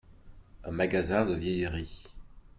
un magazin de vieilleries.